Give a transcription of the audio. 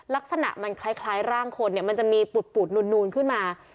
ลักษณะมันคล้ายร่างคนเนี่ยมันจะมีปูดนูนขึ้นมา